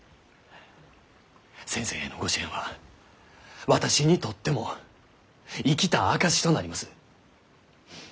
先生へのご支援は私にとっても生きた証しとなります。